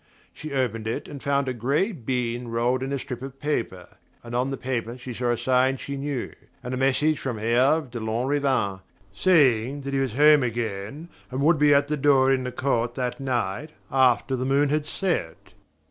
She opened it and found a grey bean rolled in a strip of paper; and on the paper she saw a sign she knew, and a message from Herve de Lanrivain, saying that he was at home again and would be at the door in the court that night after the moon had set...